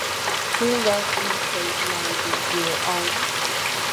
The love you save may be your own.